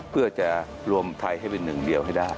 เพื่อจะรวมไทยให้เป็นหนึ่งเดียวให้ได้